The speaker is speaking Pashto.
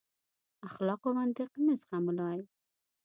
اخلاقو منطق نه زغملای.